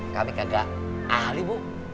kami kagak ahli bu